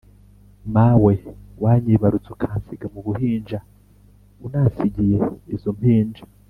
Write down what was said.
Mawe wanyibarutse Ukansiga mu buhinja Unansigiye izo mpinja